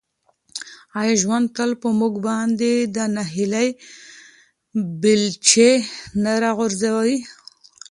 آیا ژوند تل په موږ باندې د ناهیلۍ بیلچې نه راغورځوي؟